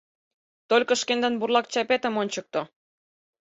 Только шкендын бурлак чапетым ончыкто.